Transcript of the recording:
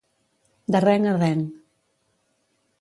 De reng a reng.